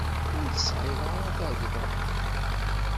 Ur tesεiḍ ara tagdeḍ.